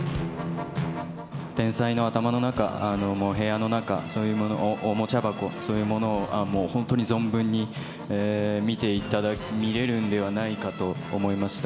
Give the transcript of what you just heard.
天才の頭の中、もう部屋の中、そういうもの、おもちゃ箱、そういうものを、もう本当に存分に見れるんではないかと思いました。